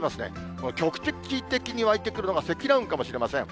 この局地的に湧いてくるのが、積乱雲かもしれません。